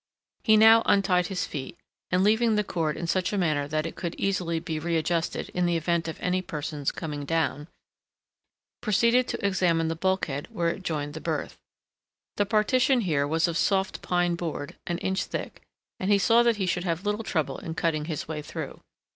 He now untied his feet, and, leaving the cord in such a manner that it could easily be readjusted in the event of any person's coming down, proceeded to examine the bulkhead where it joined the berth. The partition here was of soft pine board, an inch thick, and he saw that he should have little trouble in cutting his way through.